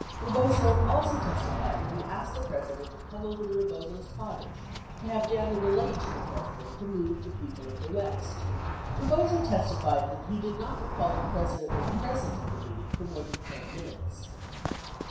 66 Rebozo also testified that he asked the President to come over to Rebozo's cottage to have Danner relate to the President the mood of the people of the West. 67 Rebozo testified that he did not recall that the President was present at the meeting for more than 10 minutes.